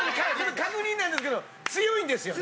確認なんですけど強いんですよね？